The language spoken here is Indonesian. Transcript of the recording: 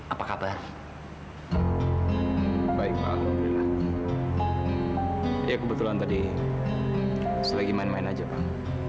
apa kabar baik baik kebetulan tadi lagi main main aja pak